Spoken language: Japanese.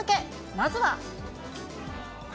まずは。